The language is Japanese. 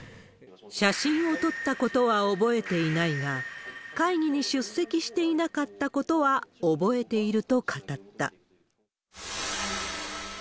写真を撮ったことは覚えていないが、会議に出席していなかったことは覚えていると語った。